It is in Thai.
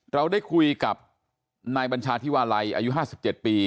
เราได้คุยกับนายบัญชาธิวาลัยอายุ๕๗ปี